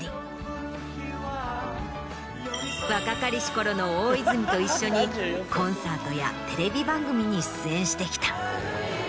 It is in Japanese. ころの大泉と一緒にコンサートやテレビ番組に出演してきた。